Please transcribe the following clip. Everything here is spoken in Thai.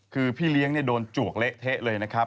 คือพี่เลี้ยงโดนจวกเละเทะเลยนะครับ